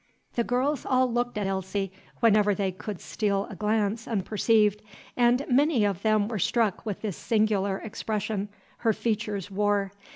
The girls all looked at Elsie, whenever they could steal a glance unperceived, and many of them were struck with this singular expression her features wore.